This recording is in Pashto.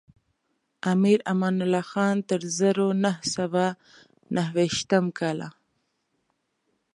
امیر امان الله خان تر زرو نهه سوه نهه ویشتم کاله.